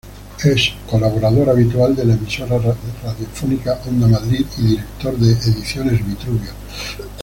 Es colaborador habitual de la emisora radiofónica Onda Madrid y director de Ediciones Vitruvio.